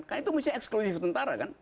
kan itu misalnya eksklusif tentara